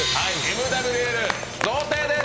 Ｍ．Ｗ．Ｌ贈呈です。